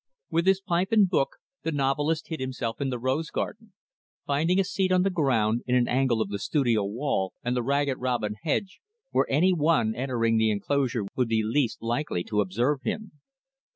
With his pipe and book, the novelist hid himself in the rose garden; finding a seat on the ground, in an angle of the studio wall and the Ragged Robin hedge, where any one entering the enclosure would be least likely to observe him.